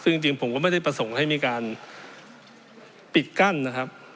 ซึ่งจริงผมก็ไม่ได้ประสงค์ให้มีการปิดกั้นนะครับ